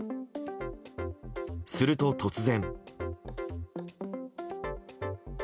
すると突然。